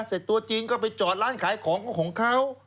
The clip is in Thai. ตัวจริงก็ไปจอดร้านขายของก็ของเขา